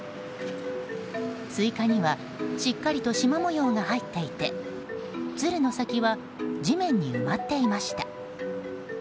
スイカには、しっかりとしま模様が入っていてつるの先は地面に埋まっていました。